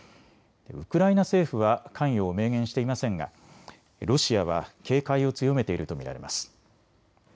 ウクライナ政府は関与を明言していませんがロシアは警戒を強めていると見られます。